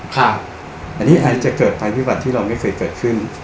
ครับอันนี้อาจจะเกิดไปที่วัดที่เราไม่เคยเกิดขึ้น